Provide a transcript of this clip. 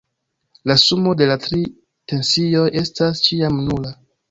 La sumo de la tri tensioj estas ĉiam nula.